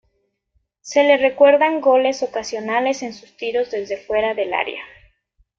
Se le recuerdan goles ocasionales en sus tiros desde fuera del área.